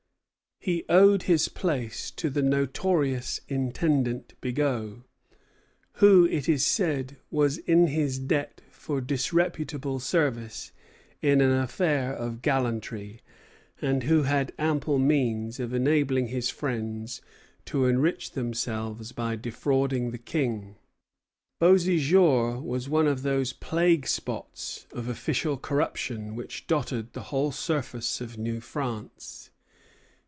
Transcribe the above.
He owed his place to the notorious Intendant, Bigot, who, it is said, was in his debt for disreputable service in an affair of gallantry, and who had ample means of enabling his friends to enrich themselves by defrauding the King. Beauséjour was one of those plague spots of official corruption which dotted the whole surface of New France.